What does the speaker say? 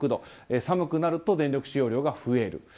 寒くなると電力使用量が増える。